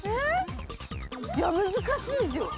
いや難しいぞ。